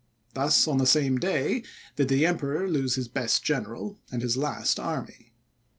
Thus, on the same day, did the Emperor lose his best general and his last army.